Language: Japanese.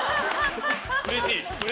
うれしい？